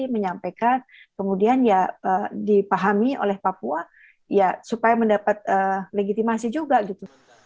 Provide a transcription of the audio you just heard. menyampaikan kemudian ya dipahami oleh papua ya supaya mendapat legitimasi juga gitu